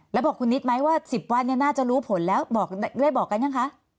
แล้วบอกคุณนิดไหมว่า๑๐วันเนี่ยน่าจะรู้ผลแล้วได้บอกกันยังคะ